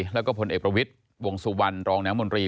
แล้วก็พลเอกประวิทย์วงสุวรรณรองน้ำมนตรี